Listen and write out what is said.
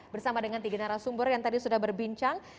bersama dengan tiga narasumber yang tadi sudah berbincang